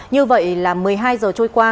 như vậy là một mươi hai h trôi qua